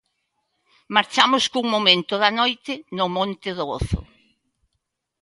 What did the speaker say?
Marchamos cun momento da noite no Monte do Gozo.